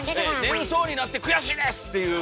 「眠そうになって悔しいです！」っていう。